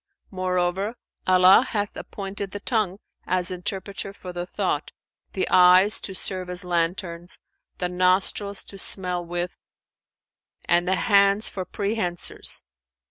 [FN#398] Moreover, Allah hath appointed the tongue as interpreter for the thought, the eyes to serve as lanterns, the nostrils to smell with, and the hands for prehensors.